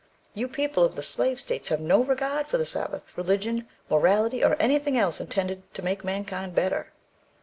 You people of the Slave States have no regard for the Sabbath, religion, morality or anything else intended to, make mankind better."